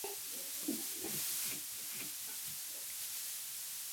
Su lema es: "Libertad por el saber".